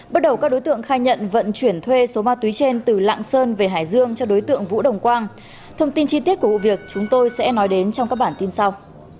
bước đầu các đối tượng khai nhận vận chuyển thuê số ma túy trên từ lạng sơn về hải dương cho đối tượng vũ đồng quang thông tin chi tiết của vụ việc chúng tôi sẽ nói đến trong các bản tin sau